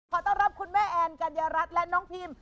ขอต้อนรับคุณแม่แอนกัญญารัฐและน้องพิม